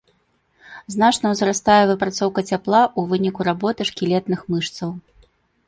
Значна ўзрастае выпрацоўка цяпла ў выніку работы шкілетных мышцаў.